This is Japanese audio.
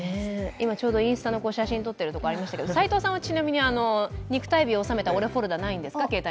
今ちょうどインスタの写真を撮っているところがありましたけど齋藤さんは肉体美を収めた俺フォルダはないんですか？